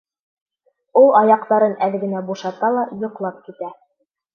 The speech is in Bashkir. Ул аяҡтарын әҙ генә бушата ла йоҡлап китә.